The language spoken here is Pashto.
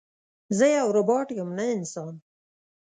زه یو روباټ یم نه انسان